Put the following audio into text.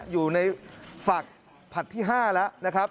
อยู่ในฝากผักที่๕แล้ว